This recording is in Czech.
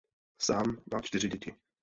Sám má čtyři děti.